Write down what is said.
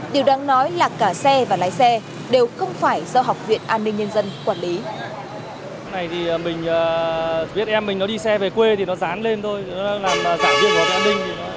điều đáng nói là cả xe và lái xe đều không phải do học viện an ninh nhân dân quản lý